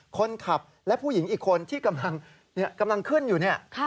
คนขับและผู้หญิงอีกคนที่กำลังขึ้นอยู่เนี่ย